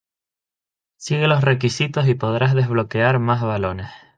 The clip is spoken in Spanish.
Sigue los requisitos y podrás desbloquear más balones.